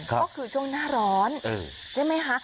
ก็คือช่วงหน้าร้อนใช่ไหมคะ